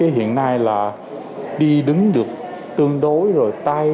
hiện nay là đi đứng được tương đối rồi